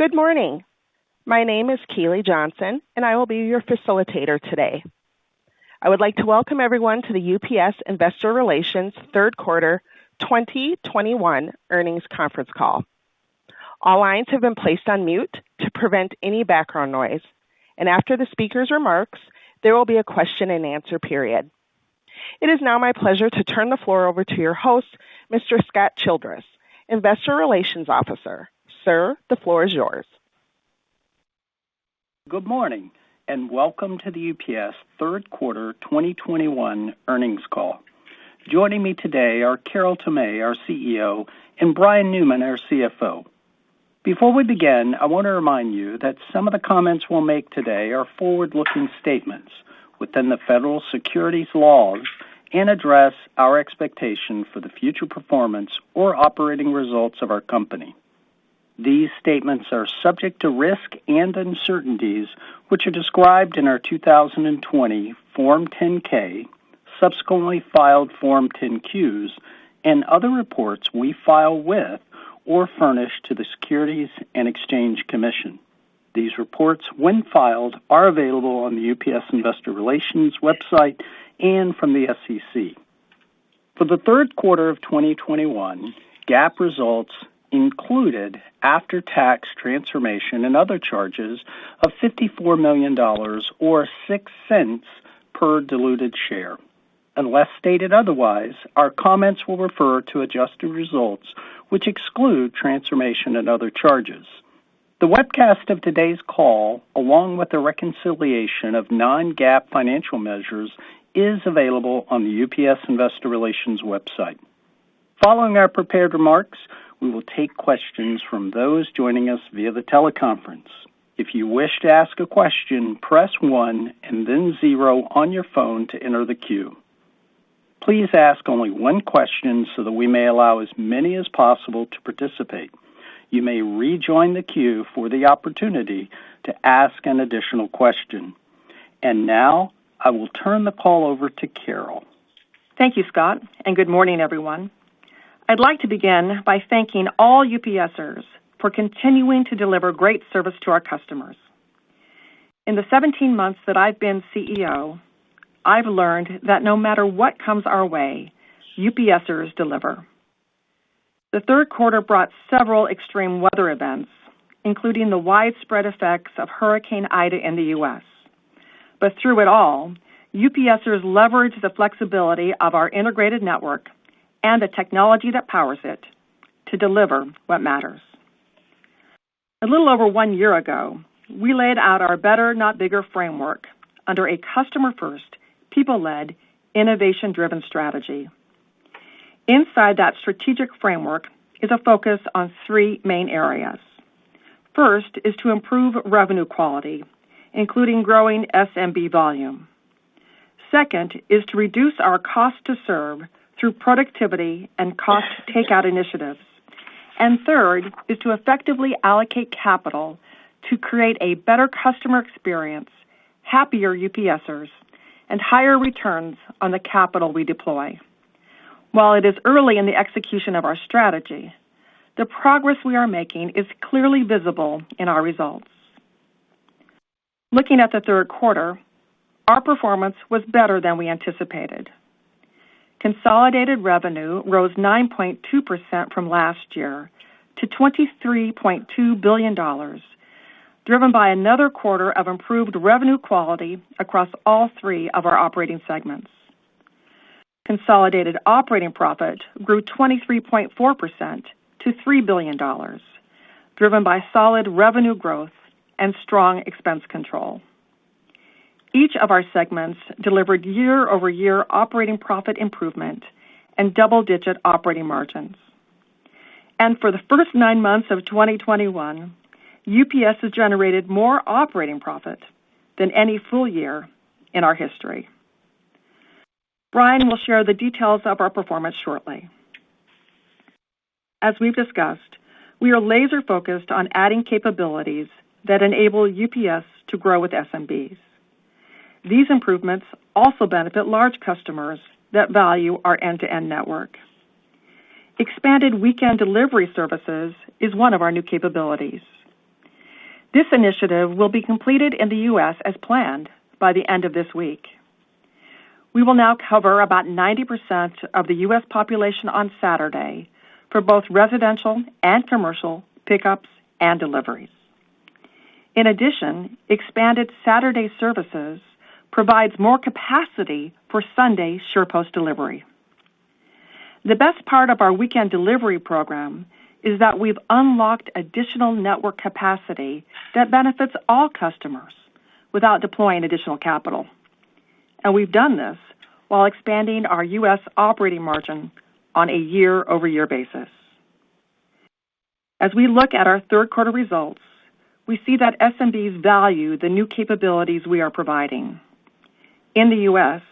Good morning. My name is Keely Johnson, and I will be your facilitator today. I would like to welcome everyone to the UPS Investor Relations third quarter 2021 earnings conference call. All lines have been placed on mute to prevent any background noise. After the speaker's remarks, there will be a question-and-answer period. It is now my pleasure to turn the floor over to your host, Mr. Scott Childress, Investor Relations Officer. Sir, the floor is yours. Good morning, and welcome to the UPS third quarter 2021 earnings call. Joining me today are Carol B. Tomé, our CEO, and Brian Newman, our CFO. Before we begin, I wanna remind you that some of the comments we'll make today are forward-looking statements within the federal securities laws and address our expectation for the future performance or operating results of our company. These statements are subject to risk and uncertainties, which are described in our 2020 Form 10-K, subsequently filed Form 10-Qs, and other reports we file with or furnish to the Securities and Exchange Commission. These reports, when filed, are available on the UPS investor relations website and from the SEC. For the third quarter of 2021, GAAP results included after-tax transformation and other charges of $54 million or $0.06 per diluted share. Unless stated otherwise, our comments will refer to adjusted results which exclude transformation and other charges. The webcast of today's call, along with the reconciliation of non-GAAP financial measures, is available on the UPS investor relations website. Following our prepared remarks, we will take questions from those joining us via the teleconference. If you wish to ask a question, press one and then zero on your phone to enter the queue. Please ask only one question so that we may allow as many as possible to participate. You may rejoin the queue for the opportunity to ask an additional question. Now I will turn the call over to Carol. Thank you, Scott, and good morning, everyone. I'd like to begin by thanking all UPSers for continuing to deliver great service to our customers. In the 17 months that I've been CEO, I've learned that no matter what comes our way, UPSers deliver. The third quarter brought several extreme weather events, including the widespread effects of Hurricane Ida in the U.S. Through it all, UPSers leveraged the flexibility of our integrated network and the technology that powers it to deliver what matters. A little over one year ago, we laid out our better, not bigger framework under a customer-first, people-led, innovation-driven strategy. Inside that strategic framework is a focus on three main areas. First is to improve revenue quality, including growing SMB volume. Second is to reduce our cost to serve through productivity and cost takeout initiatives. Third is to effectively allocate capital to create a better customer experience, happier UPSers, and higher returns on the capital we deploy. While it is early in the execution of our strategy, the progress we are making is clearly visible in our results. Looking at the third quarter, our performance was better than we anticipated. Consolidated revenue rose 9.2% from last year to $23.2 billion, driven by another quarter of improved revenue quality across all three of our operating segments. Consolidated operating profit grew 23.4% to $3 billion, driven by solid revenue growth and strong expense control. Each of our segments delivered year-over-year operating profit improvement and double-digit operating margins. For the first nine months of 2021, UPS has generated more operating profit than any full year in our history. Brian will share the details of our performance shortly. As we've discussed, we are laser-focused on adding capabilities that enable UPS to grow with SMBs. These improvements also benefit large customers that value our end-to-end network. Expanded weekend delivery services is one of our new capabilities. This initiative will be completed in the U.S. as planned by the end of this week. We will now cover about 90% of the U.S. population on Saturday for both residential and commercial pickups and deliveries. In addition, expanded Saturday services provides more capacity for Sunday SurePost delivery. The best part of our weekend delivery program is that we've unlocked additional network capacity that benefits all customers without deploying additional capital. We've done this while expanding our U.S. operating margin on a year-over-year basis. As we look at our third quarter results, we see that SMBs value the new capabilities we are providing. In the U.S.,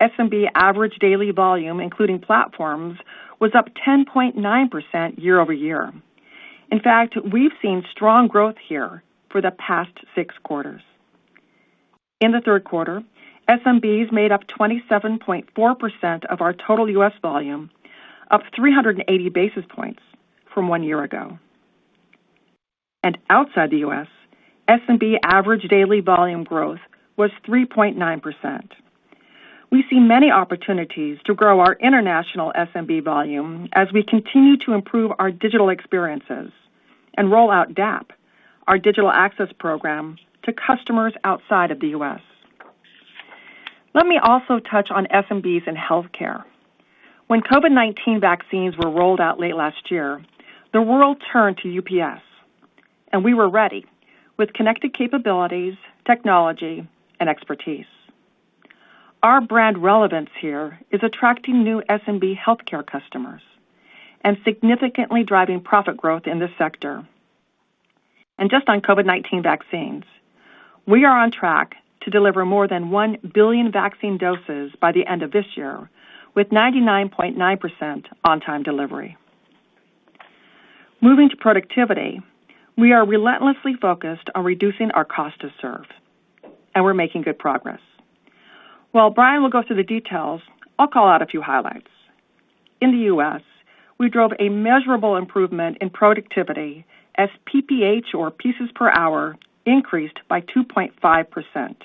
SMB average daily volume, including platforms, was up 10.9% year-over-year. In fact, we've seen strong growth here for the past six quarters. In the third quarter, SMBs made up 27.4% of our total U.S. volume, up 380 basis points from one year ago. Outside the U.S., SMB average daily volume growth was 3.9%. We see many opportunities to grow our international SMB volume as we continue to improve our digital experiences and roll out DAP, our Digital Access Program, to customers outside of the U.S. Let me also touch on SMBs in healthcare. When COVID-19 vaccines were rolled out late last year, the world turned to UPS, and we were ready with connected capabilities, technology, and expertise. Our brand relevance here is attracting new SMB healthcare customers and significantly driving profit growth in this sector. Just on COVID-19 vaccines, we are on track to deliver more than 1 billion vaccine doses by the end of this year, with 99.9% on-time delivery. Moving to productivity, we are relentlessly focused on reducing our cost to serve, and we're making good progress. While Brian will go through the details, I'll call out a few highlights. In the U.S., we drove a measurable improvement in productivity as PPH, or pieces per hour, increased by 2.5%.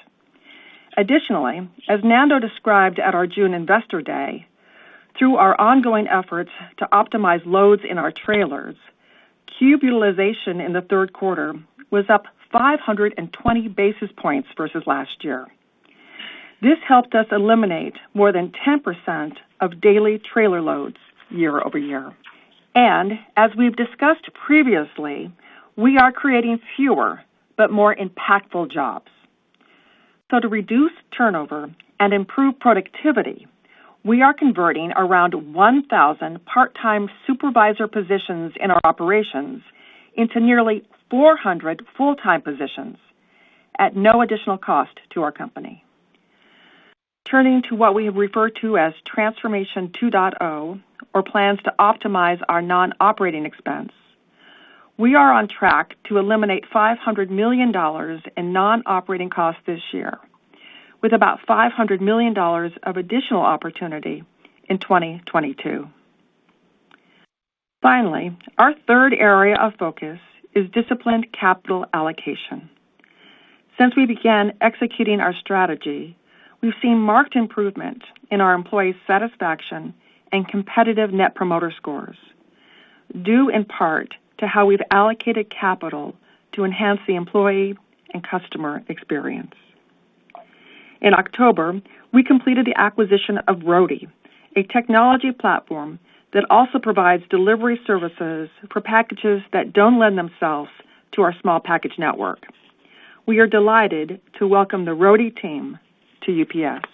Additionally, as Nando described at our June Investor Day, through our ongoing efforts to optimize loads in our trailers, cube utilization in the third quarter was up 520 basis points versus last year. This helped us eliminate more than 10% of daily trailer loads year-over-year. As we've discussed previously, we are creating fewer but more impactful jobs. To reduce turnover and improve productivity, we are converting around 1,000 part-time supervisor positions in our operations into nearly 400 full-time positions at no additional cost to our company. Turning to what we refer to as Transformation 2.0, or plans to optimize our non-operating expense, we are on track to eliminate $500 million in non-operating costs this year, with about $500 million of additional opportunity in 2022. Finally, our third area of focus is disciplined capital allocation. Since we began executing our strategy, we've seen marked improvement in our employee satisfaction and competitive net promoter scores, due in part to how we've allocated capital to enhance the employee and customer experience. In October, we completed the acquisition of Roadie, a technology platform that also provides delivery services for packages that don't lend themselves to our small package network. We are delighted to welcome the Roadie team to UPS.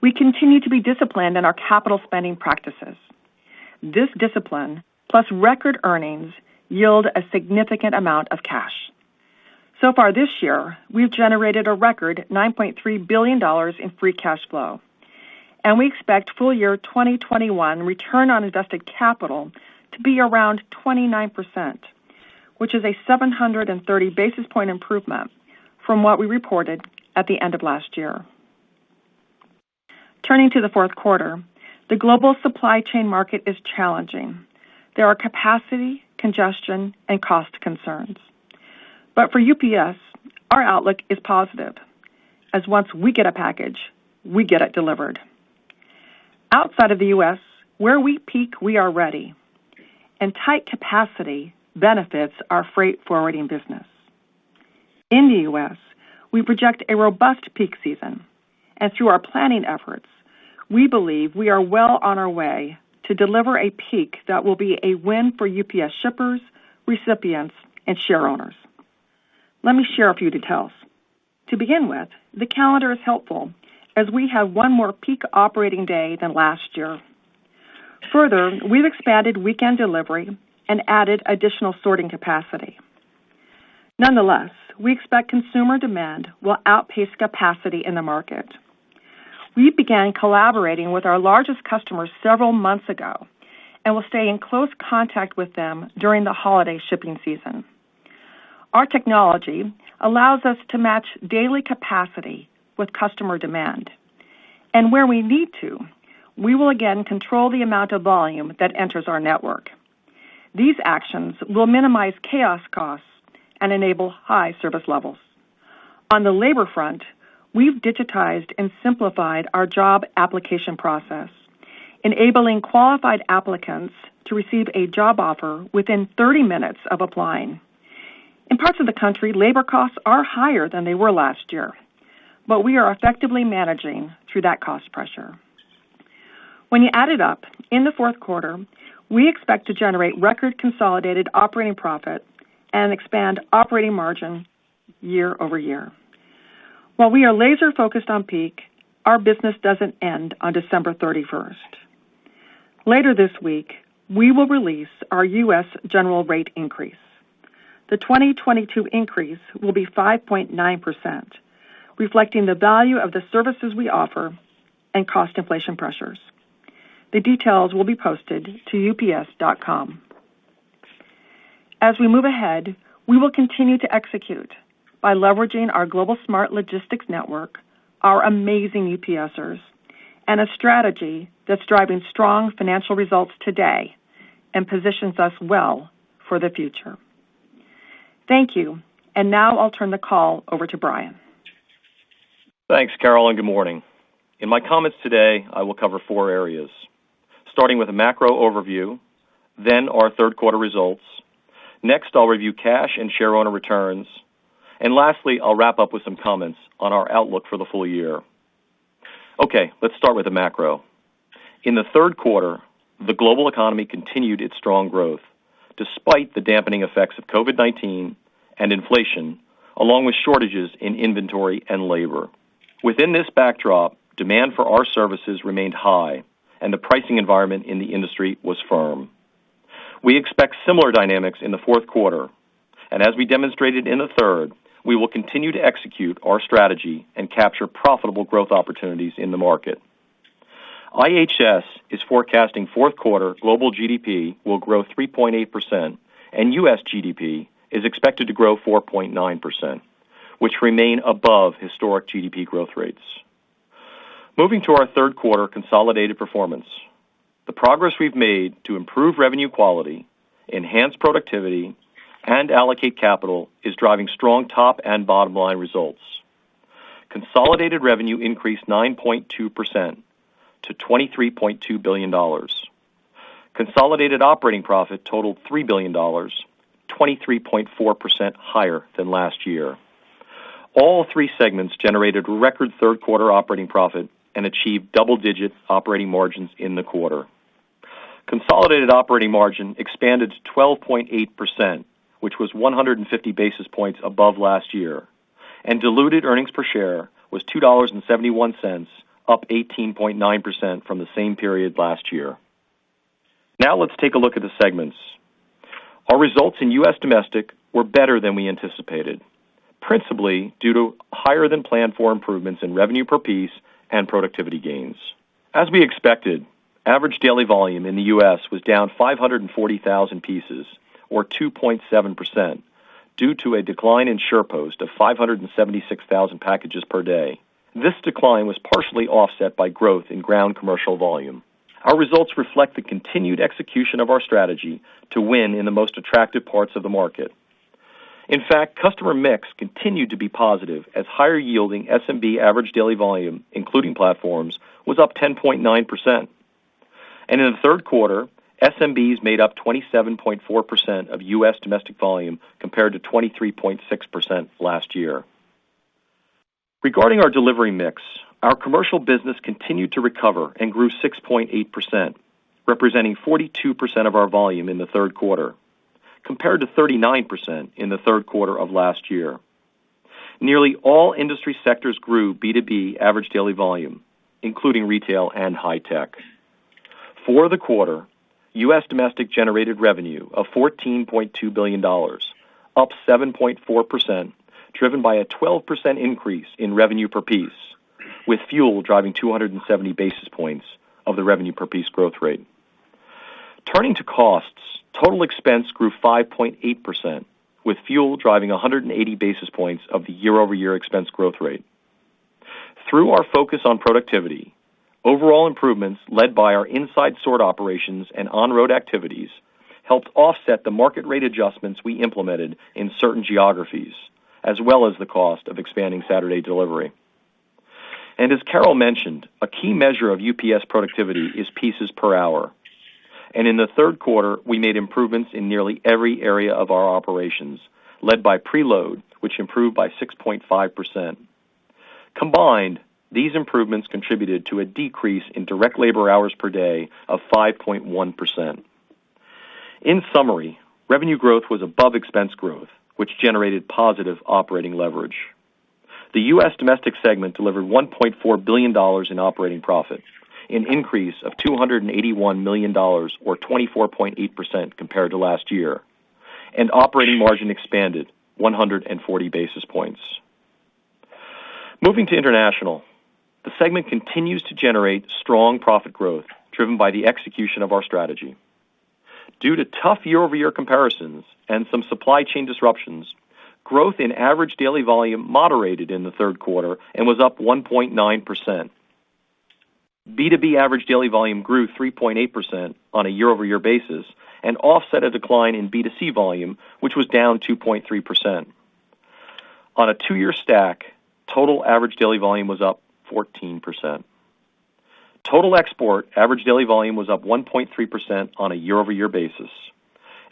We continue to be disciplined in our capital spending practices. This discipline plus record earnings yield a significant amount of cash. So far this year, we've generated a record $9.3 billion in free cash flow, and we expect full year 2021 return on invested capital to be around 29%, which is a 730 basis point improvement from what we reported at the end of last year. Turning to the fourth quarter, the global supply chain market is challenging. There are capacity, congestion, and cost concerns. For UPS, our outlook is positive, as once we get a package, we get it delivered. Outside of the U.S., where we peak, we are ready, and tight capacity benefits our freight forwarding business. In the U.S., we project a robust peak season, and through our planning efforts, we believe we are well on our way to deliver a peak that will be a win for UPS shippers, recipients, and shareowners. Let me share a few details. To begin with, the calendar is helpful as we have one more peak operating day than last year. Further, we've expanded weekend delivery and added additional sorting capacity. Nonetheless, we expect consumer demand will outpace capacity in the market. We began collaborating with our largest customers several months ago and will stay in close contact with them during the holiday shipping season. Our technology allows us to match daily capacity with customer demand. Where we need to, we will again control the amount of volume that enters our network. These actions will minimize chaos costs and enable high service levels. On the labor front, we've digitized and simplified our job application process, enabling qualified applicants to receive a job offer within 30 minutes of applying. In parts of the country, labor costs are higher than they were last year, but we are effectively managing through that cost pressure. When you add it up, in the fourth quarter, we expect to generate record consolidated operating profit and expand operating margin year-over-year. While we are laser focused on peak, our business doesn't end on December 31. Later this week, we will release our U.S. general rate increase. The 2022 increase will be 5.9%, reflecting the value of the services we offer and cost inflation pressures. The details will be posted to ups.com. As we move ahead, we will continue to execute by leveraging our global smart logistics network, our amazing UPSers, and a strategy that's driving strong financial results today and positions us well for the future. Thank you. Now I'll turn the call over to Brian. Thanks, Carol, and good morning. In my comments today, I will cover four areas, starting with a macro overview, then our third quarter results. Next, I'll review cash and shareowner returns. Lastly, I'll wrap up with some comments on our outlook for the full year. Okay, let's start with the macro. In the third quarter, the global economy continued its strong growth despite the dampening effects of COVID-19 and inflation, along with shortages in inventory and labor. Within this backdrop, demand for our services remained high and the pricing environment in the industry was firm. We expect similar dynamics in the fourth quarter, and as we demonstrated in the third, we will continue to execute our strategy and capture profitable growth opportunities in the market. IHS Markit is forecasting fourth quarter global GDP will grow 3.8%, and U.S. GDP is expected to grow 4.9%, which remain above historic GDP growth rates. Moving to our third quarter consolidated performance, the progress we've made to improve revenue quality, enhance productivity, and allocate capital is driving strong top and bottom line results. Consolidated revenue increased 9.2% to $23.2 billion. Consolidated operating profit totaled $3 billion, 23.4% higher than last year. All three segments generated record third quarter operating profit and achieved double-digit operating margins in the quarter. Consolidated operating margin expanded to 12.8%, which was 150 basis points above last year, and diluted earnings per share was $2.71, up 18.9% from the same period last year. Now let's take a look at the segments. Our results in U.S. Domestic were better than we anticipated, principally due to higher than planned for improvements in revenue per piece and productivity gains. As we expected, average daily volume in the U.S. was down 540,000 pieces, or 2.7%, due to a decline in SurePost of 576,000 packages per day. This decline was partially offset by growth in ground commercial volume. Our results reflect the continued execution of our strategy to win in the most attractive parts of the market. In fact, customer mix continued to be positive as higher yielding SMB average daily volume, including platforms, was up 10.9%. In the third quarter, SMBs made up 27.4% of U.S. domestic volume compared to 23.6% last year. Regarding our delivery mix, our commercial business continued to recover and grew 6.8%, representing 42% of our volume in the third quarter, compared to 39% in the third quarter of last year. Nearly all industry sectors grew B2B average daily volume, including retail and high tech. For the quarter, U.S. Domestic generated revenue of $14.2 billion, up 7.4%, driven by a 12% increase in revenue per piece, with fuel driving 270 basis points of the revenue per piece growth rate. Turning to costs, total expense grew 5.8%, with fuel driving 180 basis points of the year-over-year expense growth rate. Through our focus on productivity, overall improvements led by our inside sort operations and on-road activities helped offset the market rate adjustments we implemented in certain geographies, as well as the cost of expanding Saturday delivery. As Carol mentioned, a key measure of UPS productivity is pieces per hour. In the third quarter, we made improvements in nearly every area of our operations, led by preload, which improved by 6.5%. Combined, these improvements contributed to a decrease in direct labor hours per day of 5.1%. In summary, revenue growth was above expense growth, which generated positive operating leverage. The U.S. Domestic segment delivered $1.4 billion in operating profit, an increase of $281 million or 24.8% compared to last year, and operating margin expanded 140 basis points. Moving to International, the segment continues to generate strong profit growth driven by the execution of our strategy. Due to tough year-over-year comparisons and some supply chain disruptions, growth in average daily volume moderated in the third quarter and was up 1.9%. B2B average daily volume grew 3.8% on a year-over-year basis and offset a decline in B2C volume, which was down 2.3%. On a two-year stack, total average daily volume was up 14%. Total export average daily volume was up 1.3% on a year-over-year basis.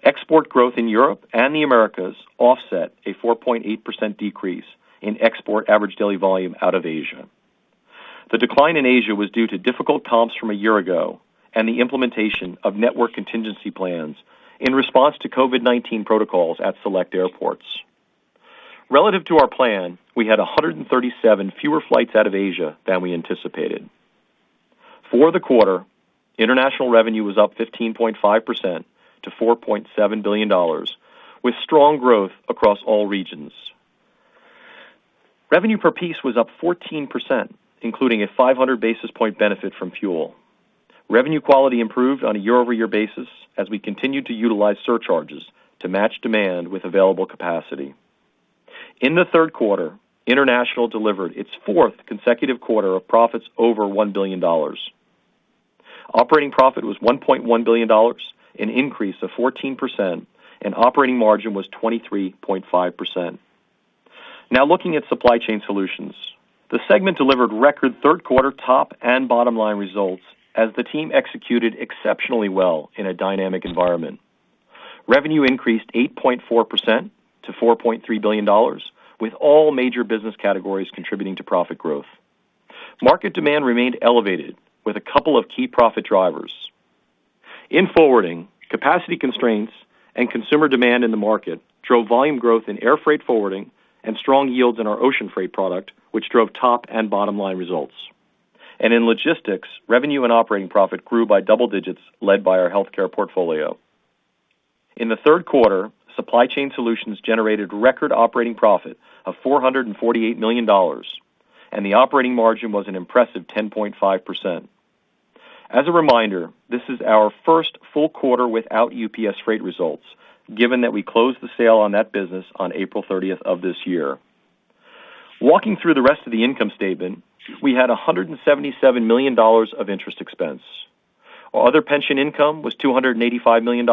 Export growth in Europe and the Americas offset a 4.8% decrease in export average daily volume out of Asia. The decline in Asia was due to difficult comps from a year ago and the implementation of network contingency plans in response to COVID-19 protocols at select airports. Relative to our plan, we had 137 fewer flights out of Asia than we anticipated. For the quarter, International revenue was up 15.5% to $4.7 billion, with strong growth across all regions. Revenue per piece was up 14%, including a 500 basis point benefit from fuel. Revenue quality improved on a year-over-year basis as we continued to utilize surcharges to match demand with available capacity. In the third quarter, International delivered its fourth consecutive quarter of profits over $1 billion. Operating profit was $1.1 billion, an increase of 14%, and operating margin was 23.5%. Now looking at Supply Chain Solutions. The segment delivered record third quarter top and bottom line results as the team executed exceptionally well in a dynamic environment. Revenue increased 8.4%-$4.3 billion, with all major business categories contributing to profit growth. Market demand remained elevated with a couple of key profit drivers. In forwarding, capacity constraints and consumer demand in the market drove volume growth in air freight forwarding and strong yields in our ocean freight product, which drove top and bottom line results. In logistics, revenue and operating profit grew by double digits led by our healthcare portfolio. In the third quarter, Supply Chain Solutions generated record operating profit of $448 million, and the operating margin was an impressive 10.5%. As a reminder, this is our first full quarter without UPS Freight results, given that we closed the sale on that business on April 30 of this year. Walking through the rest of the income statement, we had $177 million of interest expense. Our other pension income was $285 million.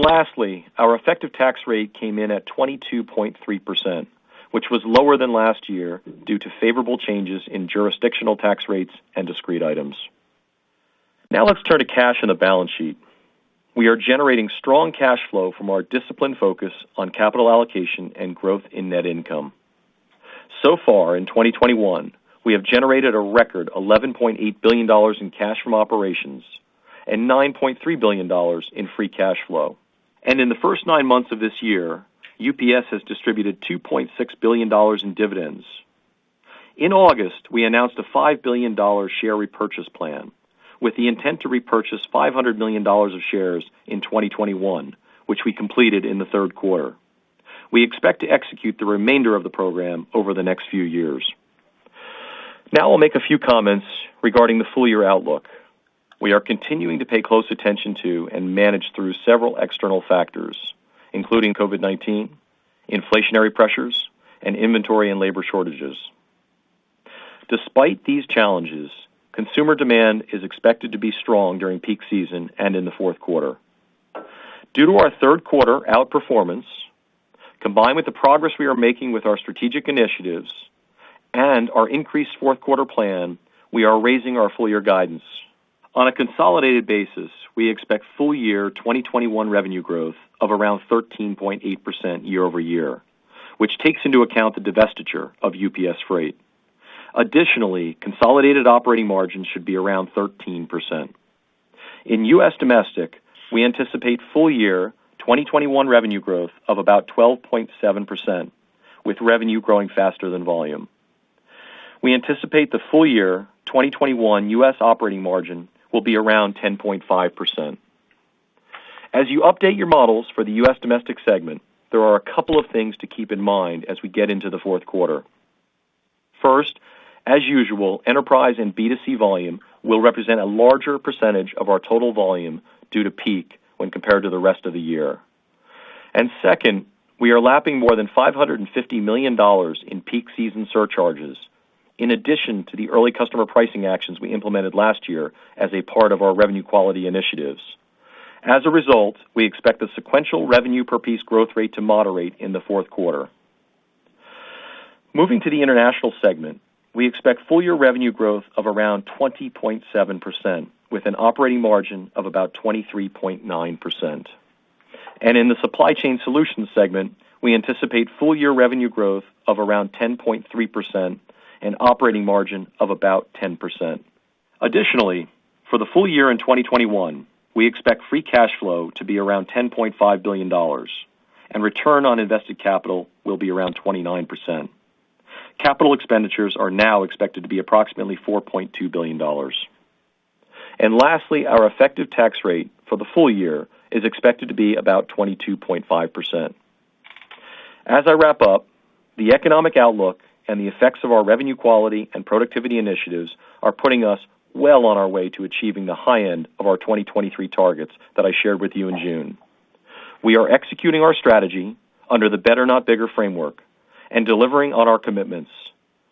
Lastly, our effective tax rate came in at 22.3%, which was lower than last year due to favorable changes in jurisdictional tax rates and discrete items. Now let's turn to cash in the balance sheet. We are generating strong cash flow from our disciplined focus on capital allocation and growth in net income. So far in 2021, we have generated a record $11.8 billion in cash from operations and $9.3 billion in free cash flow. In the first nine months of this year, UPS has distributed $2.6 billion in dividends. In August, we announced a $5 billion share repurchase plan with the intent to repurchase $500 million of shares in 2021, which we completed in the third quarter. We expect to execute the remainder of the program over the next few years. Now I'll make a few comments regarding the full-year outlook. We are continuing to pay close attention to and manage through several external factors, including COVID-19, inflationary pressures, and inventory and labor shortages. Despite these challenges, consumer demand is expected to be strong during peak season and in the fourth quarter. Due to our third quarter outperformance, combined with the progress we are making with our strategic initiatives and our increased fourth quarter plan, we are raising our full-year guidance. On a consolidated basis, we expect full year 2021 revenue growth of around 13.8% year-over-year, which takes into account the divestiture of UPS Freight. Additionally, consolidated operating margins should be around 13%. In U.S. Domestic, we anticipate full year 2021 revenue growth of about 12.7%, with revenue growing faster than volume. We anticipate the full year 2021 U.S. operating margin will be around 10.5%. As you update your models for the U.S. Domestic segment, there are a couple of things to keep in mind as we get into the fourth quarter. First, as usual, enterprise and B2C volume will represent a larger percentage of our total volume due to peak when compared to the rest of the year. Second, we are lapping more than $550 million in peak season surcharges in addition to the early customer pricing actions we implemented last year as a part of our revenue quality initiatives. As a result, we expect the sequential revenue per piece growth rate to moderate in the fourth quarter. Moving to the International segment, we expect full year revenue growth of around 20.7% with an operating margin of about 23.9%. In the Supply Chain Solutions segment, we anticipate full year revenue growth of around 10.3% and operating margin of about 10%. Additionally, for the full year in 2021, we expect free cash flow to be around $10.5 billion and return on invested capital will be around 29%. Capital expenditures are now expected to be approximately $4.2 billion. Lastly, our effective tax rate for the full year is expected to be about 22.5%. As I wrap up, the economic outlook and the effects of our revenue quality and productivity initiatives are putting us well on our way to achieving the high end of our 2023 targets that I shared with you in June. We are executing our strategy under the better, not bigger framework and delivering on our commitments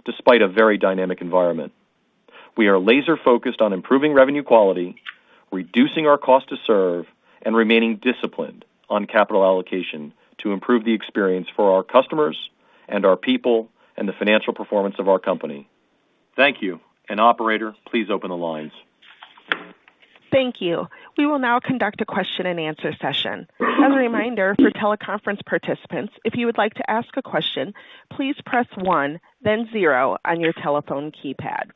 despite a very dynamic environment. We are laser focused on improving revenue quality, reducing our cost to serve, and remaining disciplined on capital allocation to improve the experience for our customers and our people and the financial performance of our company. Thank you. Operator, please open the lines. Thank you. We will now conduct a question and answer session. As a reminder for teleconference participants, if you would like to ask a question, please press one, then zero on your telephone keypad.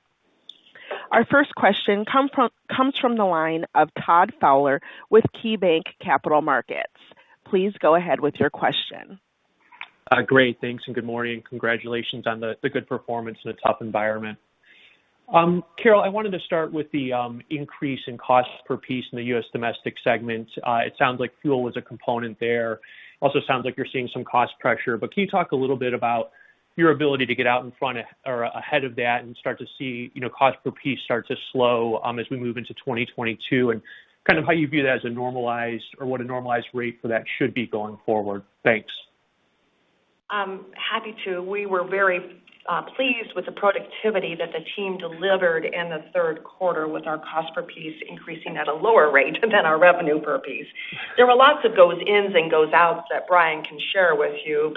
Our first question comes from the line of Todd Fowler with KeyBanc Capital Markets. Please go ahead with your question. Great. Thanks and good morning. Congratulations on the good performance in a tough environment. Carol, I wanted to start with the increase in cost per piece in the U.S. Domestic segment. It sounds like fuel was a component there. It also sounds like you're seeing some cost pressure. Can you talk a little bit about your ability to get out in front or ahead of that and start to see, you know, cost per piece start to slow as we move into 2022, and kind of how you view that as a normalized or what a normalized rate for that should be going forward? Thanks. Happy to. We were very pleased with the productivity that the team delivered in the third quarter with our cost per piece increasing at a lower rate than our revenue per piece. There were lots of goes ins and goes outs that Brian can share with you.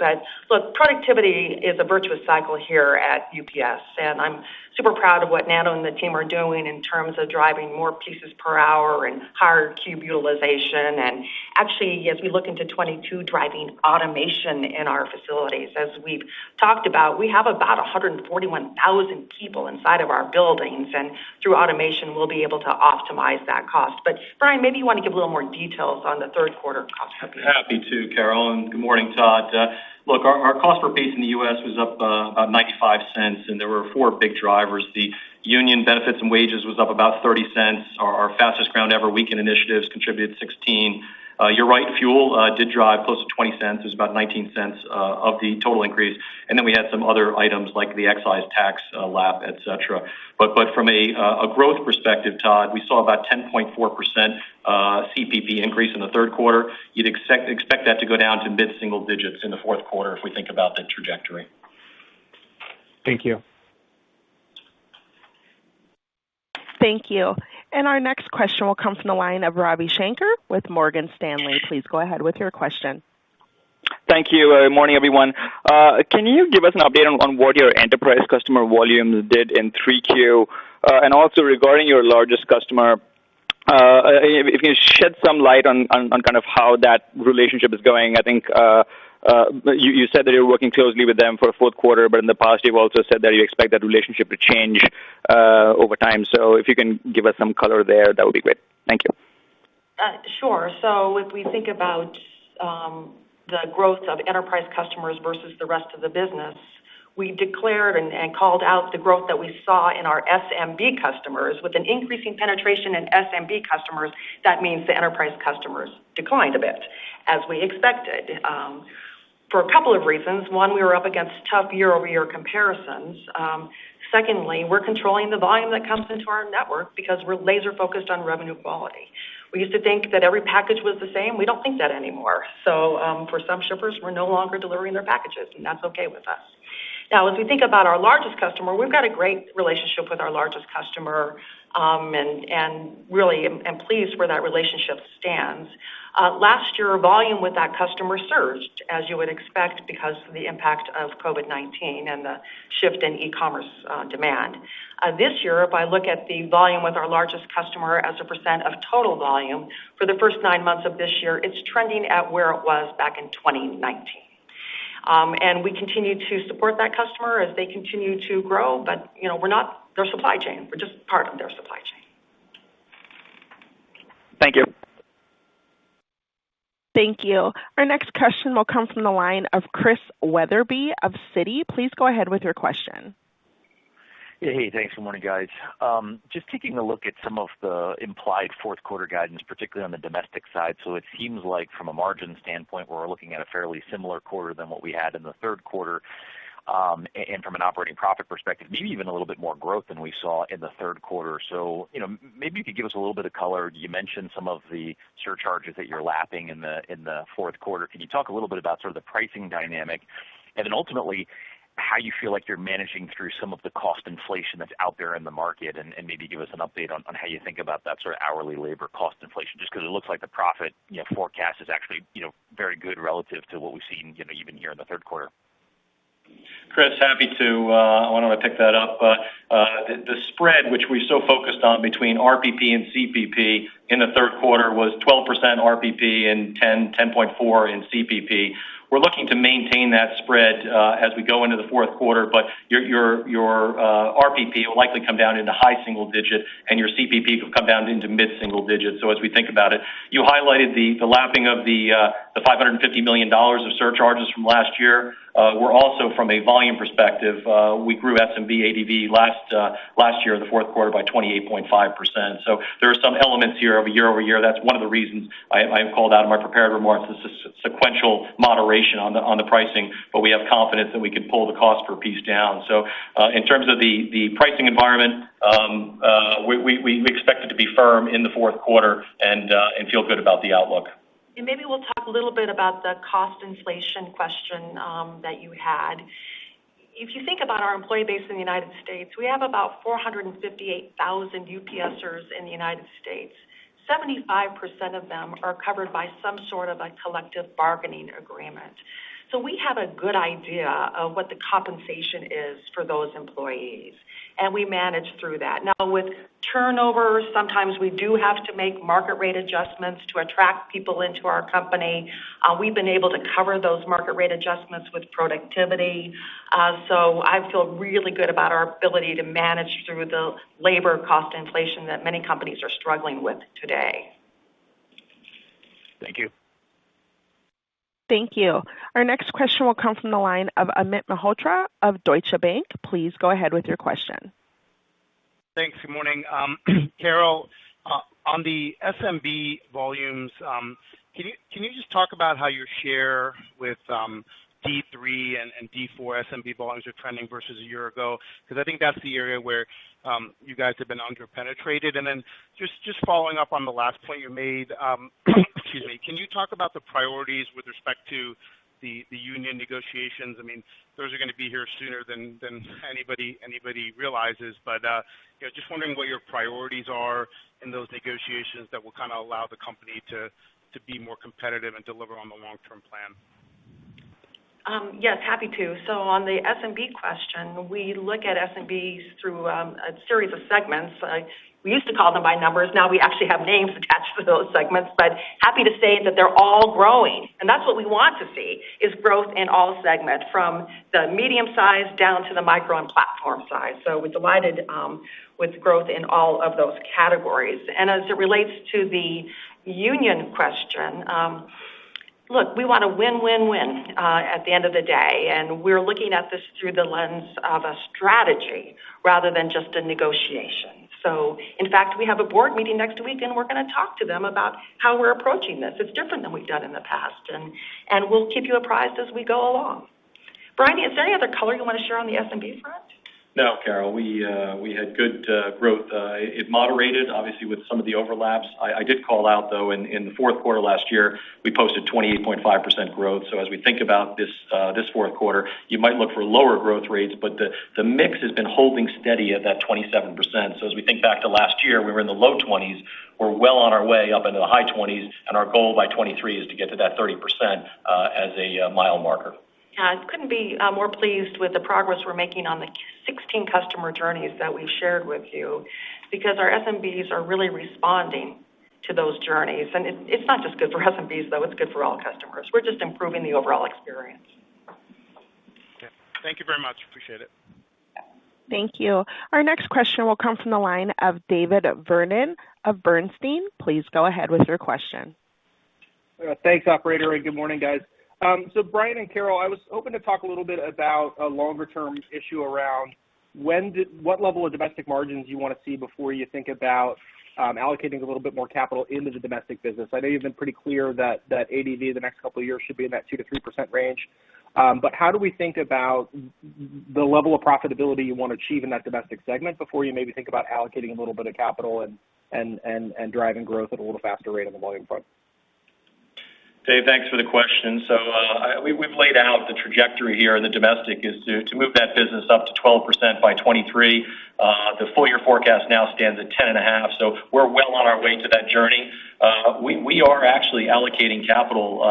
Look, productivity is a virtuous cycle here at UPS, and I'm super proud of what Nando and the team are doing in terms of driving more pieces per hour and higher cube utilization. Actually, as we look into 2022 driving automation in our facilities. As we've talked about, we have about 141,000 people inside of our buildings, and through automation we'll be able to optimize that cost. Brian, maybe you want to give a little more details on the third quarter cost per piece. Happy to, Carol, and good morning, Todd. Look, our cost per piece in the U.S. was up about $0.95, and there were four big drivers. The union benefits and wages was up about $0.30. Our Fastest Ground Ever weekend initiatives contributed $0.16. You're right, fuel did drive close to $0.20. It was about $0.19 of the total increase. Then we had some other items like the excise tax, lap, etc. From a growth perspective, Todd, we saw about 10.4% CPP increase in the third quarter. You'd expect that to go down to mid-single digits in the fourth quarter if we think about the trajectory. Thank you. Thank you. Our next question will come from the line of Ravi Shanker with Morgan Stanley. Please go ahead with your question. Thank you. Morning, everyone. Can you give us an update on what your enterprise customer volumes did in Q3? And also regarding your largest customer, if you can shed some light on kind of how that relationship is going. I think you said that you're working closely with them for fourth quarter, but in the past you've also said that you expect that relationship to change over time. If you can give us some color there, that would be great. Thank you. Sure. If we think about the growth of enterprise customers versus the rest of the business, we declared and called out the growth that we saw in our SMB customers. With an increasing penetration in SMB customers, that means the enterprise customers declined a bit, as we expected, for a couple of reasons. One, we were up against tough year-over-year comparisons. Second, we're controlling the volume that comes into our network because we're laser focused on revenue quality. We used to think that every package was the same. We don't think that anymore. For some shippers, we're no longer delivering their packages, and that's okay with us. Now, as we think about our largest customer, we've got a great relationship with our largest customer, and I'm really pleased where that relationship stands. Last year, volume with that customer surged, as you would expect, because of the impact of COVID-19 and the shift in e-commerce demand. This year, if I look at the volume with our largest customer as a % of total volume for the first nine months of this year, it's trending at where it was back in 2019. We continue to support that customer as they continue to grow. You know, we're not their supply chain. We're just part of their supply chain. Thank you. Thank you. Our next question will come from the line of Christian Wetherbee of Citi. Please go ahead with your question. Hey, thanks and morning, guys. Just taking a look at some of the implied fourth quarter guidance, particularly on the Domestic side. It seems like from a margin standpoint, we're looking at a fairly similar quarter than what we had in the third quarter, and from an operating profit perspective, maybe even a little bit more growth than we saw in the third quarter. You know, maybe you could give us a little bit of color. You mentioned some of the surcharges that you're lapping in the fourth quarter. Can you talk a little bit about sort of the pricing dynamic and then ultimately how you feel like you're managing through some of the cost inflation that's out there in the market, and maybe give us an update on how you think about that sort of hourly labor cost inflation, just because it looks like the profit, you know, forecast is actually, you know, very good relative to what we've seen, you know, even here in the third quarter? Chris, happy to. Why don't I pick that up? The spread which we so focused on between RPP and CPP in the third quarter was 12% RPP and 10.4% in CPP. We're looking to maintain that spread as we go into the fourth quarter, but your RPP will likely come down into high single digit and your CPP could come down into mid-single digits. As we think about it, you highlighted the lapping of the $550 million of surcharges from last year. We're also from a volume perspective, we grew SMB ADB last year in the fourth quarter by 28.5%. There are some elements here of year-over-year. That's one of the reasons I have called out in my prepared remarks, the sequential moderation on the pricing. We have confidence that we can pull the cost per piece down. In terms of the pricing environment, we expect it to be firm in the fourth quarter and feel good about the outlook. Maybe we'll talk a little bit about the cost inflation question that you had. If you think about our employee base in the United States, we have about 458,000 UPSers in the United States. 75% of them are covered by some sort of a collective bargaining agreement. We have a good idea of what the compensation is for those employees, and we manage through that. Now, with turnover, sometimes we do have to make market rate adjustments to attract people into our company. We've been able to cover those market rate adjustments with productivity. I feel really good about our ability to manage through the labor cost inflation that many companies are struggling with today. Thank you. Thank you. Our next question will come from the line of Amit Mehrotra of Deutsche Bank. Please go ahead with your question. Thanks. Good morning. Carol, on the SMB volumes, can you just talk about how your share with D3 and D4 SMB volumes are trending versus a year ago? Because I think that's the area where you guys have been under-penetrated. Then just following up on the last point you made, excuse me, can you talk about the priorities with respect to the union negotiations? I mean, those are gonna be here sooner than anybody realizes. You know, just wondering what your priorities are in those negotiations that will kind of allow the company to be more competitive and deliver on the long-term plan. Yes, happy to. On the SMB question, we look at SMBs through a series of segments. We used to call them by numbers. Now we actually have names attached to those segments, but happy to say that they're all growing. That's what we want to see is growth in all segments from the medium size down to the micro and platform size. We're delighted with growth in all of those categories. As it relates to the union question, look, we want to win, win at the end of the day. We're looking at this through the lens of a strategy rather than just a negotiation. In fact, we have a board meeting next week, and we're gonna talk to them about how we're approaching this. It's different than we've done in the past, and we'll keep you apprised as we go along. Brian, is there any other color you want to share on the SMB front? No, Carol. We had good growth. It moderated obviously with some of the overlaps. I did call out, though, in the fourth quarter last year, we posted 28.5% growth. As we think about this fourth quarter, you might look for lower growth rates, but the mix has been holding steady at that 27%. As we think back to last year, we were in the low twenties. We're well on our way up into the high twenties, and our goal by 2023 is to get to that 30%, as a mile marker. Yeah. I couldn't be more pleased with the progress we're making on the 16 customer journeys that we shared with you because our SMBs are really responding to those journeys. It's not just good for SMBs, though. It's good for all customers. We're just improving the overall experience. Okay. Thank you very much. Appreciate it. Thank you. Our next question will come from the line of David Vernon of Bernstein. Please go ahead with your question. Thanks, operator, and good morning, guys. Brian and Carol, I was hoping to talk a little bit about a longer term issue around what level of domestic margins you wanna see before you think about allocating a little bit more capital into the domestic business. I know you've been pretty clear that ADV the next couple of years should be in that 2%-3% range. How do we think about the level of profitability you want to achieve in that domestic segment before you maybe think about allocating a little bit of capital and driving growth at a little faster rate on the volume front? Dave, thanks for the question. We've laid out the trajectory here in the U.S. Domestic is to move that business up to 12% by 2023. The full year forecast now stands at 10.5%. We're well on our way to that journey. We are actually allocating capital,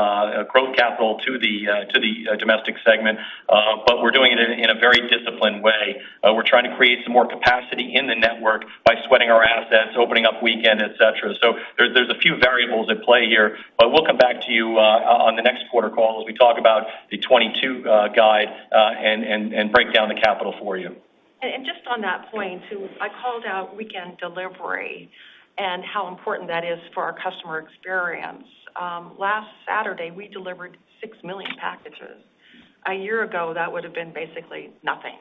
growth capital to the U.S. Domestic segment, but we're doing it in a very disciplined way. We're trying to create some more capacity in the network by sweating our assets, opening up weekend, et cetera. There's a few variables at play here, but we'll come back to you on the next quarter call as we talk about the 2022 guide and break down the capital for you. Just on that point, too, I called out weekend delivery and how important that is for our customer experience. Last Saturday, we delivered 6 million packages. A year ago, that would have been basically nothing.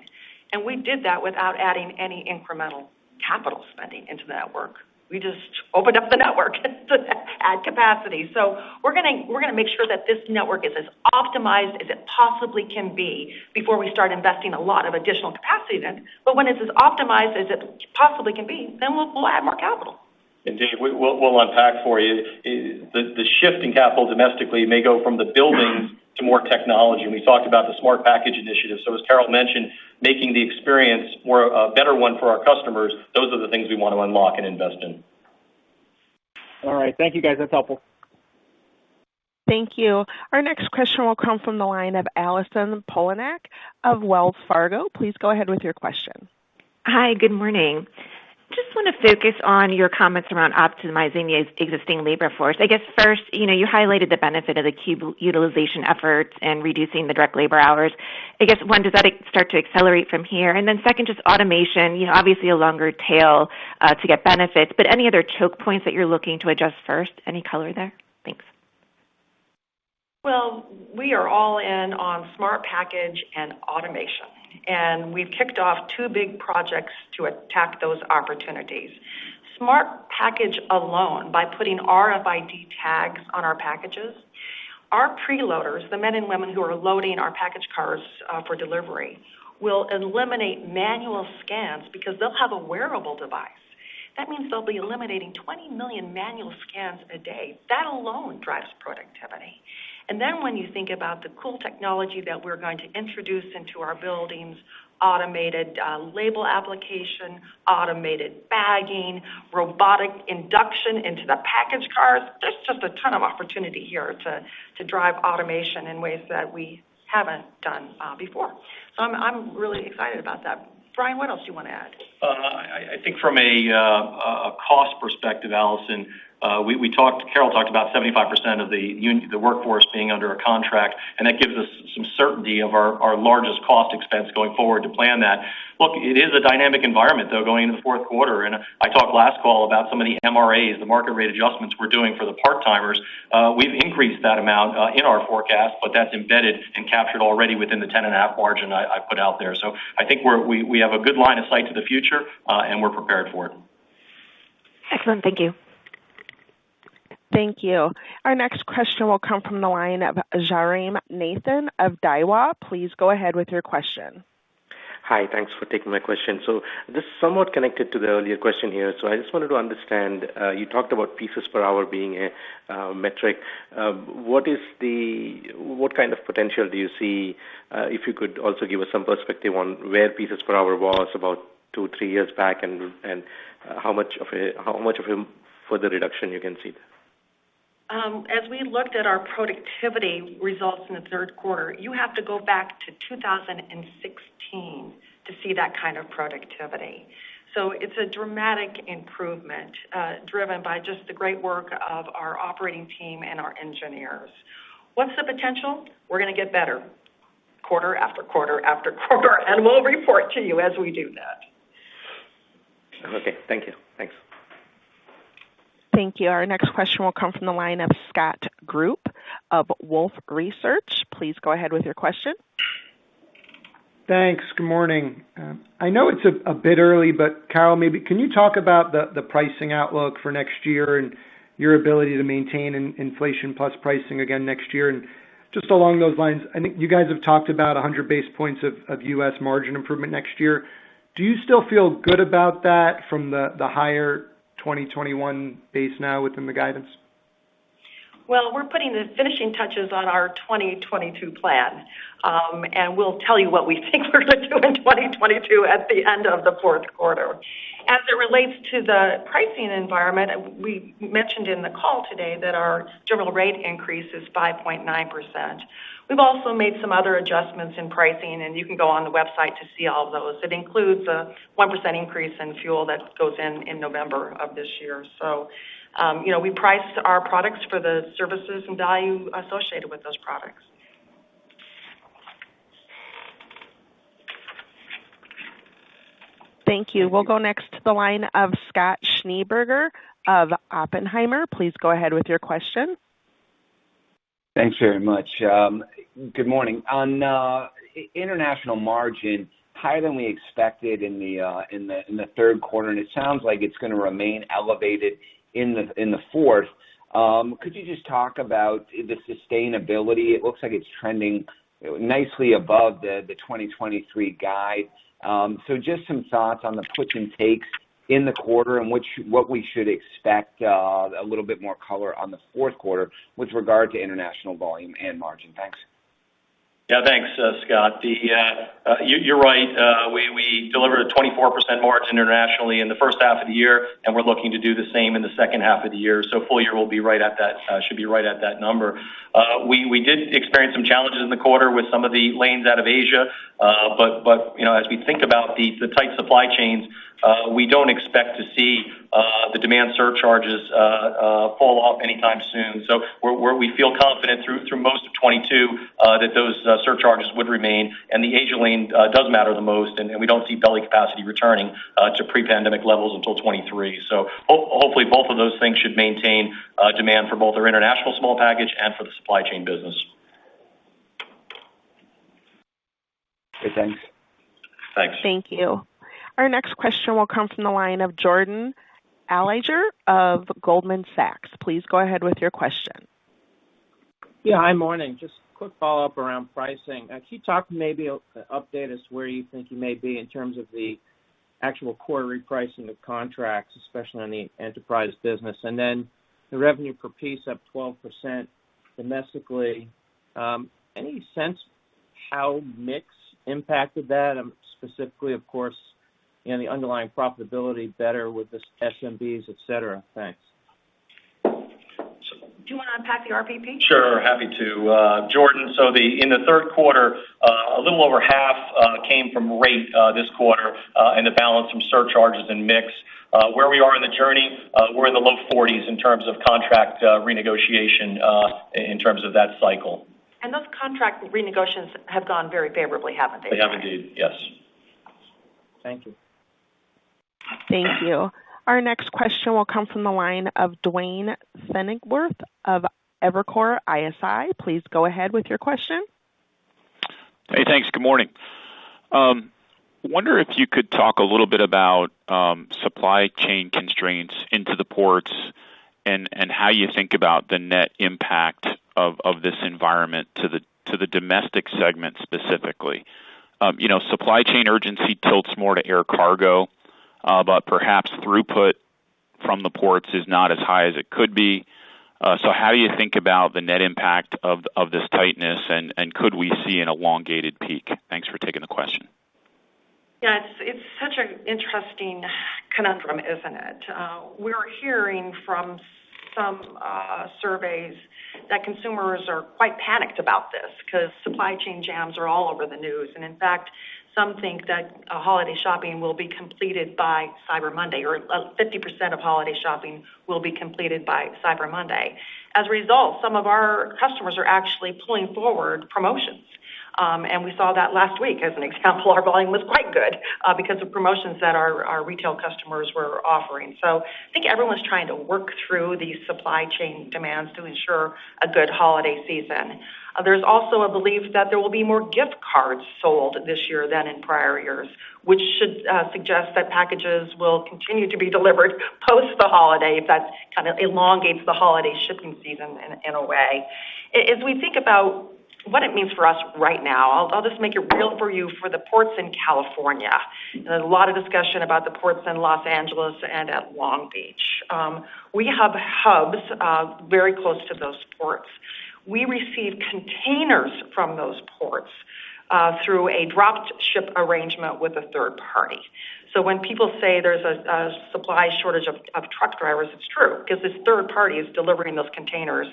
We did that without adding any incremental capital spending into the network. We just opened up the network to add capacity. We're gonna make sure that this network is as optimized as it possibly can be before we start investing a lot of additional capacity in it. When it's as optimized as it possibly can be, then we'll add more capital. Dave, we'll unpack for you. The shift in capital domestically may go from the buildings to more technology. We talked about the Smart Package initiative. As Carol mentioned, making the experience more a better one for our customers, those are the things we want to unlock and invest in. All right. Thank you, guys. That's helpful. Thank you. Our next question will come from the line of Allison Poliniak of Wells Fargo. Please go ahead with your question. Hi. Good morning. Just wanna focus on your comments around optimizing the existing labor force. I guess first, you know, you highlighted the benefit of the cube utilization efforts and reducing the direct labor hours. I guess, one, does that start to accelerate from here? And then second, just automation, you know, obviously a longer tail, to get benefits, but any other choke points that you're looking to address first? Any color there? Thanks. Well, we are all in on Smart Package and automation, and we've kicked off two big projects to attack those opportunities. Smart Package alone, by putting RFID tags on our packages, our preloaders, the men and women who are loading our package cars for delivery, will eliminate manual scans because they'll have a wearable device. That means they'll be eliminating 20 million manual scans a day. That alone drives productivity. When you think about the cool technology that we're going to introduce into our buildings, automated label application, automated bagging, robotic induction into the package cars. There's just a ton of opportunity here to drive automation in ways that we haven't done before. I'm really excited about that. Brian, what else do you want to add? I think from a cost perspective, Allison, Carol talked about 75% of the workforce being under a contract, and that gives us some certainty of our largest cost expense going forward to plan that. Look, it is a dynamic environment, though, going into the fourth quarter. I talked last call about some of the MRAs, the market rate adjustments we're doing for the part-timers. We've increased that amount in our forecast, but that's embedded and captured already within the 10.5% margin I put out there. I think we have a good line of sight to the future, and we're prepared for it. Excellent. Thank you. Thank you. Our next question will come from the line of Jairam Nathan of Daiwa. Please go ahead with your question. Hi. Thanks for taking my question. This is somewhat connected to the earlier question here. I just wanted to understand, you talked about pieces per hour being a metric. What kind of potential do you see, if you could also give us some perspective on where pieces per hour was about two, three years back and how much of it for the reduction you can see? As we looked at our productivity results in the third quarter, you have to go back to 2016 to see that kind of productivity. It's a dramatic improvement, driven by just the great work of our operating team and our engineers. What's the potential? We're gonna get better quarter-after-quarter-after-quarter, and we'll report to you as we do that. Okay. Thank you. Thanks. Thank you. Our next question will come from the line of Scott Group of Wolfe Research. Please go ahead with your question. Thanks. Good morning. I know it's a bit early, but Carol, maybe can you talk about the pricing outlook for next year and your ability to maintain inflation plus pricing again next year? Just along those lines, I think you guys have talked about 100 basis points of U.S. margin improvement next year. Do you still feel good about that from the higher 2021 base now within the guidance? Well, we're putting the finishing touches on our 2022 plan, and we'll tell you what we think we're gonna do in 2022 at the end of the fourth quarter. As it relates to the pricing environment, we mentioned in the call today that our general rate increase is 5.9%. We've also made some other adjustments in pricing, and you can go on the website to see all those. It includes a 1% increase in fuel that goes in November of this year. You know, we price our products for the services and value associated with those products. Thank you. We'll go next to the line of Scott Schneeberger of Oppenheimer. Please go ahead with your question. Thanks very much. Good morning. On International margin, higher than we expected in the third quarter, and it sounds like it's gonna remain elevated in the fourth. Could you just talk about the sustainability? It looks like it's trending nicely above the 2023 guide. So just some thoughts on the puts and takes in the quarter and what we should expect, a little bit more color on the fourth quarter with regard to international volume and margin. Thanks. Yeah. Thanks, Scott. You're right. We delivered a 24% margin internationally in the first half of the year, and we're looking to do the same in the second half of the year. Full year will be right at that. Should be right at that number. We did experience some challenges in the quarter with some of the lanes out of Asia. You know, as we think about the tight supply chains, we don't expect to see the demand surcharges fall off anytime soon. We feel confident through most of 2022 that those surcharges would remain, and the Asia lane does matter the most, and we don't see belly capacity returning to pre-pandemic levels until 2023. Hopefully, both of those things should maintain demand for both our international small package and for the supply chain business. Okay. Thanks. Thanks. Thank you. Our next question will come from the line of Jordan Alliger of Goldman Sachs. Please go ahead with your question. Yeah. Hi. Morning. Just quick follow-up around pricing. Can you talk maybe or update us where you think you may be in terms of the actual quarter repricing of contracts, especially on the enterprise business? The revenue per piece up 12% domestically. Any sense how mix impacted that, specifically, of course, in the underlying profitability better with the SMBs, et cetera? Thanks. Do you wanna unpack the RPP? Sure. Happy to, Jordan. In the third quarter, a little over half came from rate this quarter, and the balance from surcharges and mix. Where we are in the journey, we're in the low forties in terms of contract renegotiation in terms of that cycle. Those contract renegotiations have gone very favorably, haven't they? They have indeed, yes. Thank you. Thank you. Our next question will come from the line of Duane Pfennigwerth of Evercore ISI. Please go ahead with your question. Hey, thanks. Good morning. I wonder if you could talk a little bit about supply chain constraints into the ports and how you think about the net impact of this environment to the Domestic segment specifically. You know, supply chain urgency tilts more to air cargo, but perhaps throughput from the ports is not as high as it could be. How do you think about the net impact of this tightness, and could we see an elongated peak? Thanks for taking the question. It's such an interesting conundrum, isn't it? We're hearing from some surveys that consumers are quite panicked about this 'cause supply chain jams are all over the news. In fact, some think that holiday shopping will be completed by Cyber Monday, or 50% of holiday shopping will be completed by Cyber Monday. As a result, some of our customers are actually pulling forward promotions. We saw that last week as an example, our volume was quite good because of promotions that our retail customers were offering. I think everyone's trying to work through these supply chain demands to ensure a good holiday season. There's also a belief that there will be more gift cards sold this year than in prior years, which should suggest that packages will continue to be delivered post the holidays. That kind of elongates the holiday shipping season in a way. As we think about what it means for us right now, I'll just make it real for you for the ports in California. There's a lot of discussion about the ports in Los Angeles and at Long Beach. We have hubs very close to those ports. We receive containers from those ports through a drop ship arrangement with a third party. So when people say there's a supply shortage of truck drivers, it's true because this third party is delivering those containers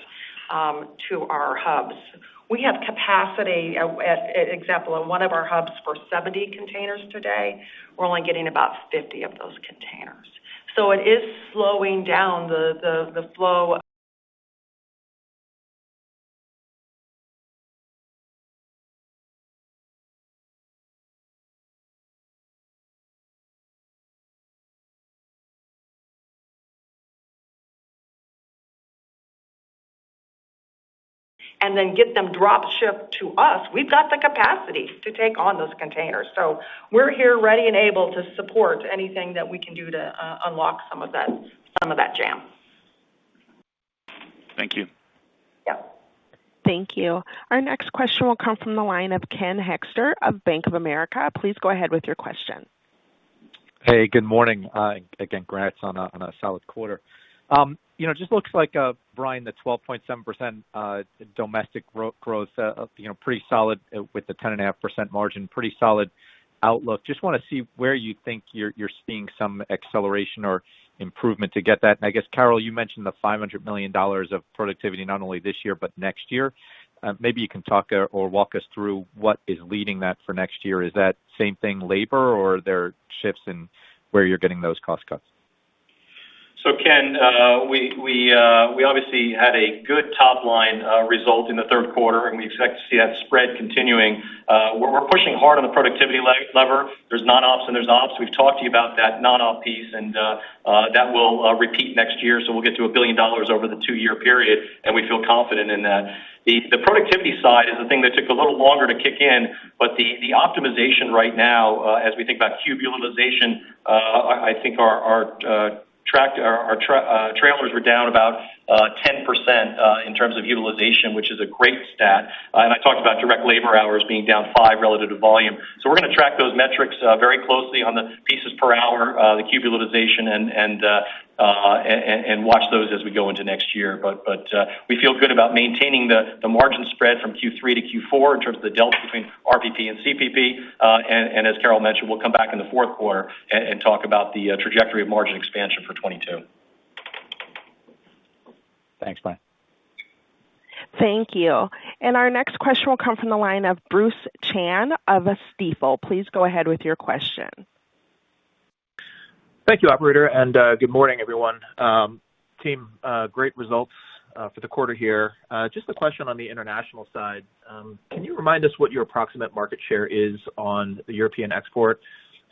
to our hubs. We have capacity, for example, in one of our hubs for 70 containers today. We're only getting about 50 of those containers. So it is slowing down the flow. Then get them drop shipped to us. We've got the capacity to take on those containers. We're here ready and able to support anything that we can do to unlock some of that jam. Thank you. Yeah. Thank you. Our next question will come from the line of Ken Hoexter of Bank of America. Please go ahead with your question. Hey, good morning. Again, congrats on a solid quarter. You know, just looks like, Brian, the 12.7% domestic growth, you know, pretty solid with the 10.5% margin, pretty solid outlook. Just wanna see where you think you're seeing some acceleration or improvement to get that. I guess, Carol, you mentioned the $500 million of productivity not only this year, but next year. Maybe you can talk or walk us through what is leading that for next year. Is that the same thing labor or are there shifts in where you're getting those cost cuts? Ken, we obviously had a good top line result in the third quarter, and we expect to see that spread continuing. We're pushing hard on the productivity lever. There's non-ops and there's ops. We've talked to you about that non-op piece and that will repeat next year. We'll get to $1 billion over the two-year period, and we feel confident in that. The productivity side is the thing that took a little longer to kick in. The optimization right now, as we think about cube utilization, I think our trailers were down about 10% in terms of utilization, which is a great stat. I talked about direct labor hours being down 5% relative to volume. We're gonna track those metrics very closely on the pieces per hour, the cube utilization and watch those as we go into next year. But we feel good about maintaining the margin spread from Q3 to Q4 in terms of the delta between RPP and CPP. And as Carol mentioned, we'll come back in the fourth quarter and talk about the trajectory of margin expansion for 2022. Thanks. Bye. Thank you. Our next question will come from the line of Bruce Chan of Stifel. Please go ahead with your question. Thank you, operator. Good morning everyone. Team, great results for the quarter here. Just a question on the international side. Can you remind us what your approximate market share is on the European export?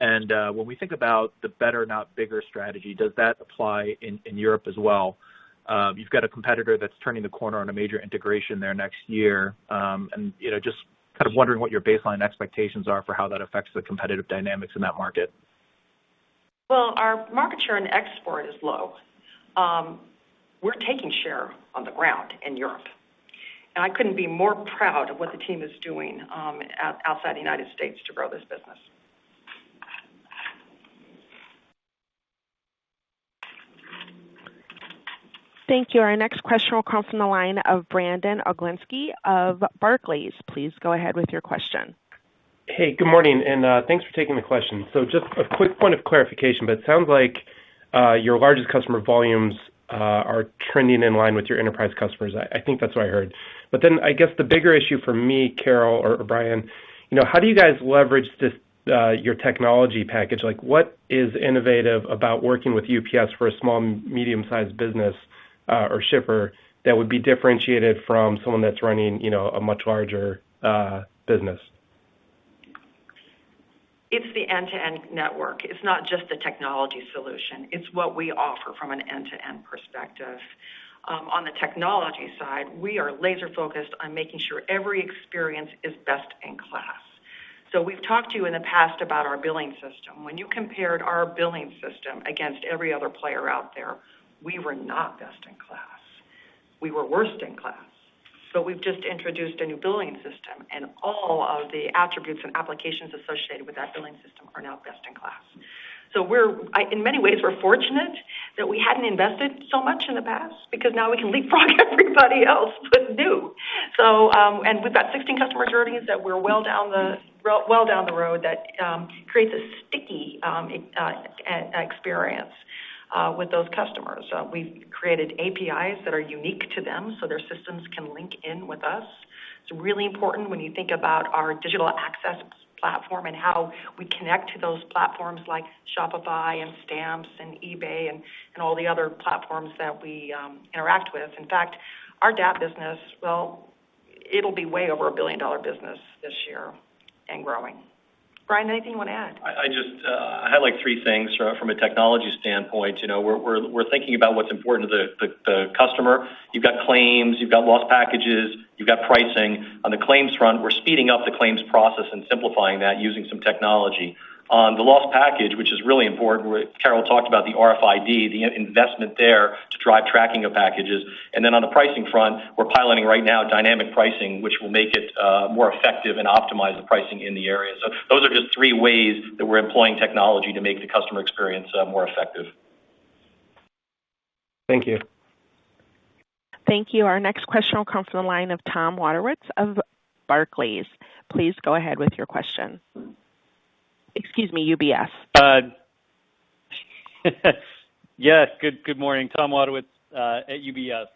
When we think about the better not bigger strategy, does that apply in Europe as well? You've got a competitor that's turning the corner on a major integration there next year. You know, just kind of wondering what your baseline expectations are for how that affects the competitive dynamics in that market. Well, our market share in export is low. We're taking share on the ground in Europe. I couldn't be more proud of what the team is doing outside the United States to grow this business. Thank you. Our next question will come from the line of Brandon Oglenski of Barclays. Please go ahead with your question. Hey, good morning, and thanks for taking the question. Just a quick point of clarification, but it sounds like your largest customer volumes are trending in line with your enterprise customers. I think that's what I heard. Then I guess the bigger issue for me, Carol or Brian, you know, how do you guys leverage this, your technology package? Like, what is innovative about working with UPS for a small, medium-sized business or shipper that would be differentiated from someone that's running, you know, a much larger business? It's the end-to-end network. It's not just the technology solution. It's what we offer from an end-to-end perspective. On the technology side, we are laser focused on making sure every experience is best in class. We've talked to you in the past about our billing system. When you compared our billing system against every other player out there, we were not best in class. We were worst in class. We've just introduced a new billing system, and all of the attributes and applications associated with that billing system are now best in class. In many ways, we're fortunate that we hadn't invested so much in the past because now we can leapfrog everybody else with new. We've got 16 customer journeys that we're well down the road that creates a sticky experience with those customers. We've created APIs that are unique to them, so their systems can link in with us. It's really important when you think about our digital access platform and how we connect to those platforms like Shopify and Stamps.com and eBay and all the other platforms that we interact with. In fact, our DAP business, well, it'll be way over a billion-dollar business this year and growing. Brian, anything you wanna add? I just had like three things from a technology standpoint. You know, we're thinking about what's important to the customer. You've got claims. You've got lost packages. You've got pricing. On the claims front, we're speeding up the claims process and simplifying that using some technology. On the lost package, which is really important, we Carol talked about the RFID, the investment there to drive tracking of packages. And then on the pricing front, we're piloting right now dynamic pricing, which will make it more effective and optimize the pricing in the area. Those are just three ways that we're employing technology to make the customer experience more effective. Thank you. Thank you. Our next question will come from the line of Tom Wadewitz of UBS. Please go ahead with your question. Yes, good morning. Tom Wadewitz at UBS.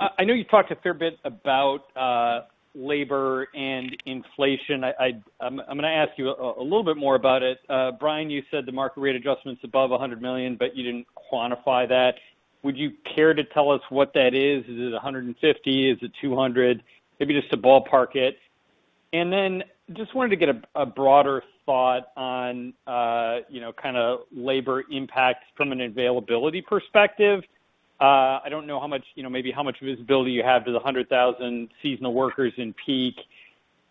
I know you talked a fair bit about labor and inflation. I'm gonna ask you a little bit more about it. Brian, you said the market rate adjustment's above $100 million, but you didn't quantify that. Would you care to tell us what that is? Is it $150 million? Is it $200 million? Maybe just to ballpark it. Just wanted to get a broader thought on you know kinda labor impact from an availability perspective. I don't know how much, you know, maybe how much visibility you have to the 100,000 seasonal workers in peak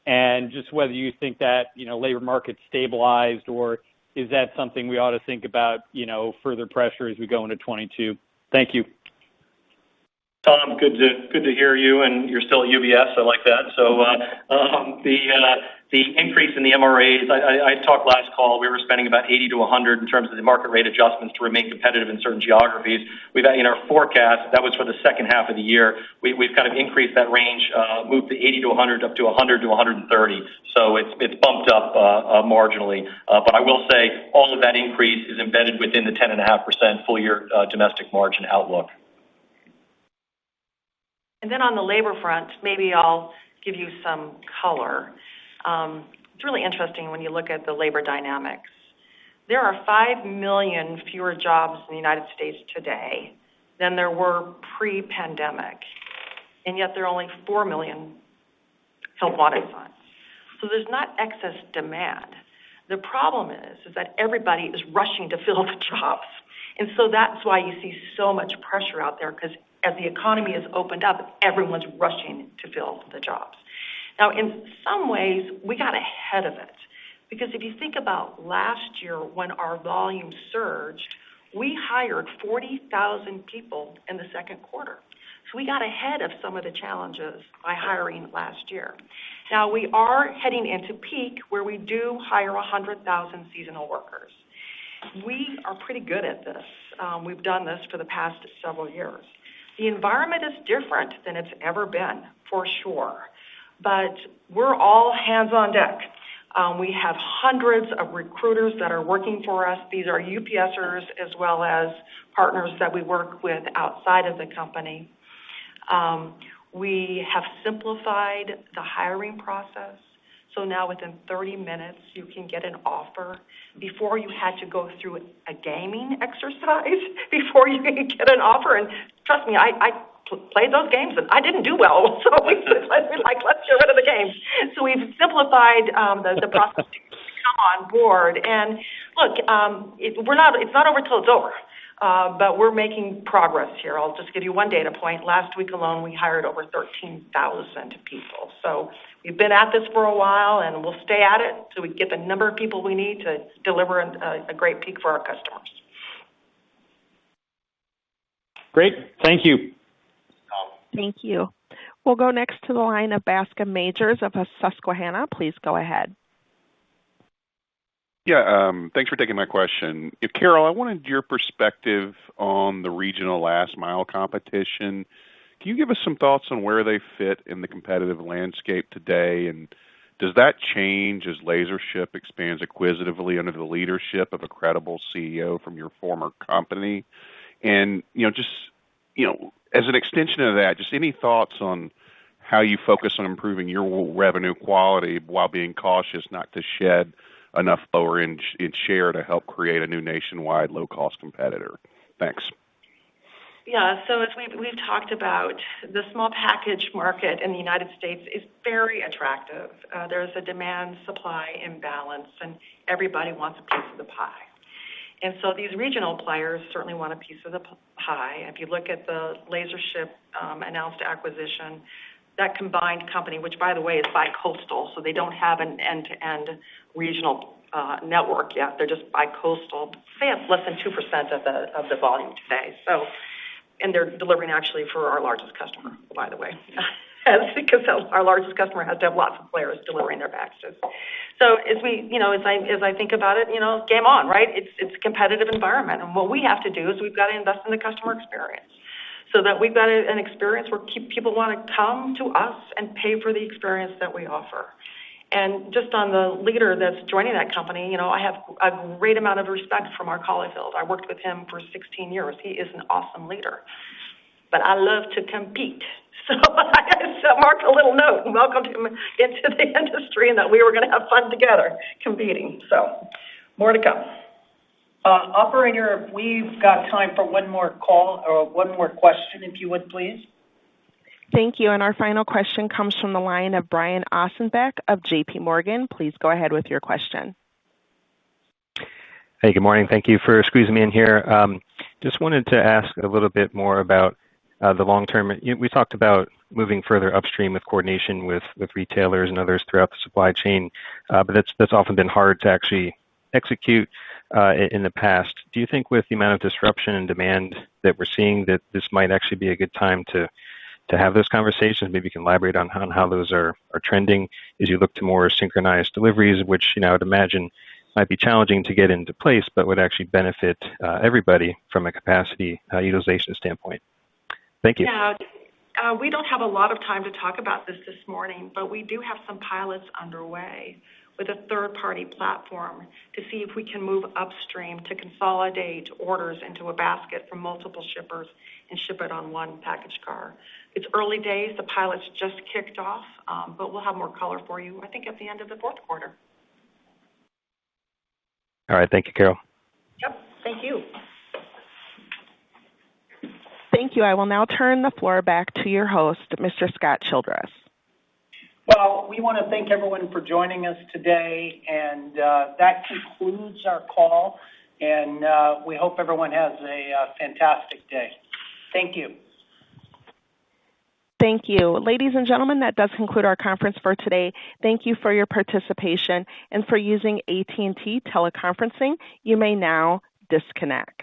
and just whether you think that, you know, labor market's stabilized, or is that something we ought to think about, you know, further pressure as we go into 2022? Thank you. Tom, good to hear you, and you're still at UBS. I like that. The increase in the MRAs, I talked last call, we were spending about $80 million-$100 million in terms of the market rate adjustments to remain competitive in certain geographies. We've got in our forecast that was for the second half of the year. We've kind of increased that range, moved the $80 million-$100 million up to $100 million-$130 million. It's bumped up marginally. But I will say all of that increase is embedded within the 10.5% full year domestic margin outlook. On the labor front, maybe I'll give you some color. It's really interesting when you look at the labor dynamics. There are 5 million fewer jobs in the United States today than there were pre-pandemic, and yet there are only 4 million help wanted ads. There's not excess demand. The problem is that everybody is rushing to fill the jobs. That's why you see so much pressure out there 'cause as the economy has opened up, everyone's rushing to fill the jobs. Now in some ways, we got ahead of it because if you think about last year when our volume surged, we hired 40,000 people in the second quarter. We got ahead of some of the challenges by hiring last year. Now we are heading into peak where we do hire 100,000 seasonal workers. We are pretty good at this. We've done this for the past several years. The environment is different than it's ever been, for sure. We're all hands on deck. We have hundreds of recruiters that are working for us. These are UPSers as well as partners that we work with outside of the company. We have simplified the hiring process, so now within 30 minutes you can get an offer. Before you had to go through a gaming exercise before you could get an offer. Trust me, I played those games, and I didn't do well. We said, "Let's be like, let's get rid of the games." We've simplified the process to come on board. Look, it's not over till it's over. We're making progress here. I'll just give you one data point. Last week alone, we hired over 13,000 people. We've been at this for a while, and we'll stay at it till we get the number of people we need to deliver a great peak for our customers. Great. Thank you. Thank you. We'll go next to the line of Bascome Majors of Susquehanna. Please go ahead. Yeah. Thanks for taking my question. Carol, I wanted your perspective on the regional last mile competition. Can you give us some thoughts on where they fit in the competitive landscape today? Does that change as LaserShip expands acquisitively under the leadership of a credible CEO from your former company? You know, just, you know, as an extension of that, just any thoughts on how you focus on improving your revenue quality while being cautious not to shed enough lower-end share to help create a new nationwide low-cost competitor? Thanks. Yeah. As we've talked about, the small package market in the United States is very attractive. There's a demand-supply imbalance, and everybody wants a piece of the pie. These regional players certainly want a piece of the pie. If you look at the LaserShip announced acquisition, that combined company, which by the way is bi-coastal, so they don't have an end-to-end regional network yet. They're just bi-coastal. It's less than 2% of the volume today. They're delivering actually for our largest customer, by the way. Because our largest customer has to have lots of players delivering their packages. As we, you know, as I think about it, you know, game on, right? It's competitive environment. What we have to do is we've got to invest in the customer experience so that we've got an experience where keep people wanna come to us and pay for the experience that we offer. Just on the leader that's joining that company, you know, I have a great amount of respect for Mark Holifield. I worked with him for 16 years. He is an awesome leader. I love to compete. I sent Mark a little note, welcome into the industry, and that we were gonna have fun together competing. More to come. Operator, we've got time for one more call or one more question, if you would, please. Thank you. Our final question comes from the line of Brian Ossenbeck of JPMorgan. Please go ahead with your question. Hey, good morning. Thank you for squeezing me in here. Just wanted to ask a little bit more about the long-term. We talked about moving further upstream with coordination with retailers and others throughout the supply chain, but that's often been hard to actually execute in the past. Do you think with the amount of disruption and demand that we're seeing that this might actually be a good time to have those conversations? Maybe you can elaborate on how those are trending as you look to more synchronized deliveries, which you know, I'd imagine might be challenging to get into place, but would actually benefit everybody from a capacity utilization standpoint. Thank you. Yeah. We don't have a lot of time to talk about this this morning, but we do have some pilots underway with a third-party platform to see if we can move upstream to consolidate orders into a basket from multiple shippers and ship it on one package car. It's early days. The pilots just kicked off, but we'll have more color for you, I think, at the end of the fourth quarter. All right. Thank you, Carol. Yep. Thank you. Thank you. I will now turn the floor back to your host, Mr. Scott Childress. Well, we wanna thank everyone for joining us today, and that concludes our call. We hope everyone has a fantastic day. Thank you. Thank you. Ladies and gentlemen, that does conclude our conference for today. Thank you for your participation and for using AT&T Teleconferencing. You may now disconnect.